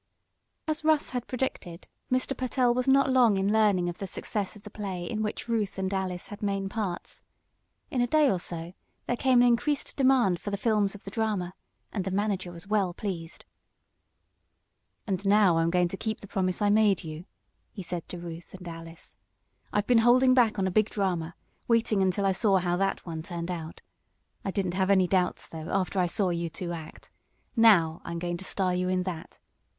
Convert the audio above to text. As Russ had predicted, Mr. Pertell was not long in learning of the success of the play in which Ruth and Alice had main parts. In a day or so there came an increased demand for the films of the drama, and the manager was well pleased. "And now I'm going to keep the promise I made you," he said to Ruth and Alice. "I've been holding back on a big drama, waiting until I saw how that one turned out. I didn't have any doubts, though, after I saw you two act. Now I'm going to star you in that.